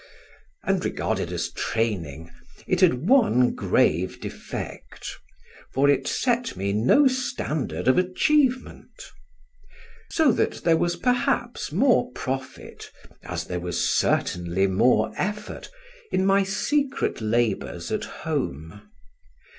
And regarded as training, it had one grave defect; for it set me no standard of achievement. So that there was perhaps more profit, as there was certainly more effort, in my secret labours at home.